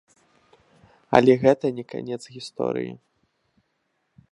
Але гэта не канец гісторыі.